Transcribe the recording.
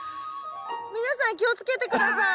皆さん気をつけて下さい。